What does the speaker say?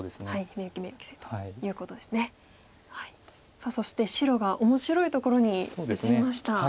さあそして白が面白いところに打ちました。